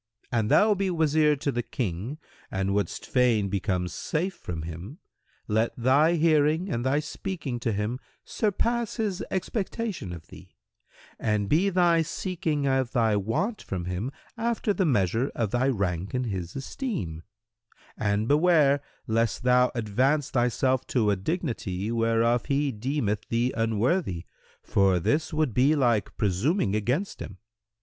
"—"An thou be Wazir to the King and wouldst fain become safe from him, let thy hearing and thy speaking to him surpass his expectation of thee, and be thy seeking of thy want from him after the measure of thy rank in his esteem, and beware lest thou advance thyself to a dignity whereof he deemeth thee unworthy, for this would be like presuming against him.